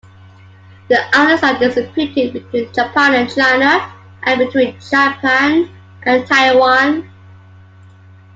The islands are disputed between Japan and China and between Japan and Taiwan.